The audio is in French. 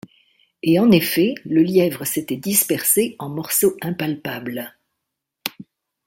Et en effet, le lièvre s’était dispersé en morceaux impalpables!